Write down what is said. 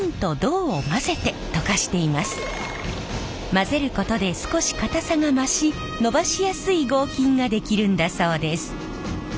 混ぜることで少し硬さが増しのばしやすい合金が出来るんだそうです。